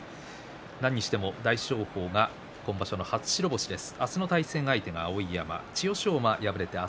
何にしても大翔鵬が今場所の初白星です。